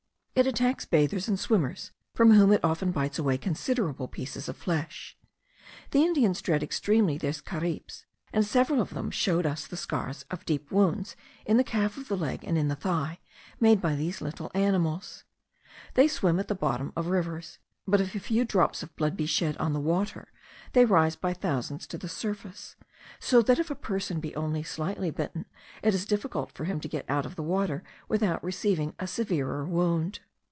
It attacks bathers and swimmers, from whom it often bites away considerable pieces of flesh. The Indians dread extremely these caribes; and several of them showed us the scars of deep wounds in the calf of the leg and in the thigh, made by these little animals. They swim at the bottom of rivers; but if a few drops of blood be shed on the water, they rise by thousands to the surface, so that if a person be only slightly bitten, it is difficult for him to get out of the water without receiving a severer wound.